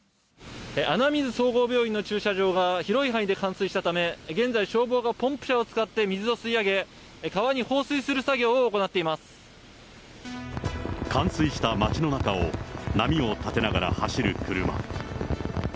穴水総合病院の駐車場が広い範囲で冠水したため、現在、消防がポンプ車を使って水を吸い上げ、冠水した街の中を、波を立てながら走る車。